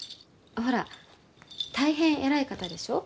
ほら大変偉い方でしょう？